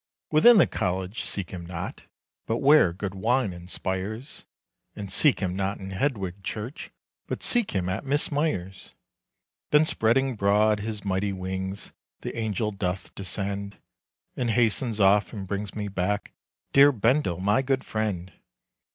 "Within the college seek him not, But where good wine inspires. And seek him not in Hedwig Church, But seek him at Miss Myers'." Then spreading broad his mighty wings, The angel doth descend, And hastens off, and brings me back Dear Bendel, my good friend.